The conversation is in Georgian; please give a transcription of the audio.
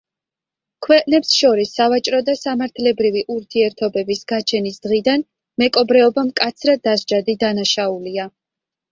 ქვეყნებს შორის სავაჭრო და სამართლებრივი ურთიერთობების გაჩენის დღიდან, მეკობრეობა მკაცრად დასჯადი დანაშაულია.